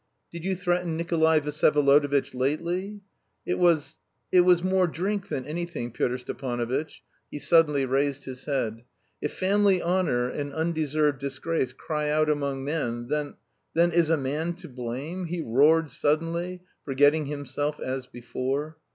"Did you threaten Nikolay Vsyevolodovitch lately?" "It was... it was more drink than anything, Pyotr Stepanovitch." He suddenly raised his head. "If family honour and undeserved disgrace cry out among men then then is a man to blame?" he roared suddenly, forgetting himself as before.